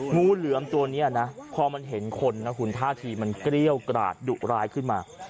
งูเหลือมตัวนี้นะพอมันเห็นคนนะคุณท่าทีมันเกรี้ยวกราดดุร้ายขึ้นมา